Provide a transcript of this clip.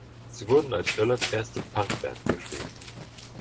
Sie wurden als Irlands erste Punk-Band beschrieben.